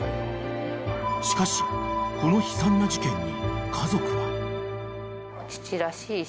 ［しかしこの悲惨な事件に］